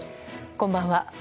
こんばんは。